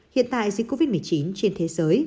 hiện tại dịch covid một mươi chín trên thế giới